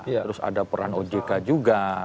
terus ada peran ojk juga